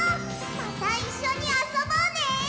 またいっしょにあそぼうね！